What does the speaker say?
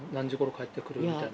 帰ってくるみたいな？